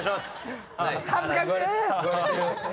恥ずかしい！